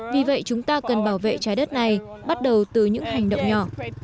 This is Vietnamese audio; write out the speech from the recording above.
vì vậy chúng ta cần bảo vệ trái đất này bắt đầu từ những hành động nhỏ